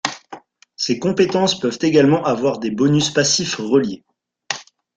Ces compétences peuvent également avoir des bonus passifs reliés.